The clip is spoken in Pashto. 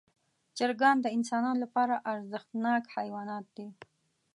چرګان د انسانانو لپاره ارزښتناک حیوانات دي.